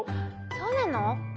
そうなの？